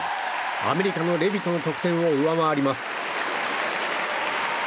アメリカのレビトの得点を上回ります。